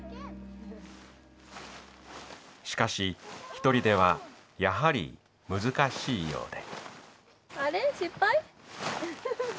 しかし一人ではやはり難しいようで。